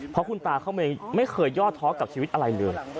เพราะคุณตาเขาไม่เคยย่อท้อกับชีวิตอะไรเลย